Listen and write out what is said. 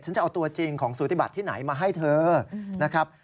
จะเอาตัวจริงของสูติบัติที่ไหนมาให้เธอนะครับ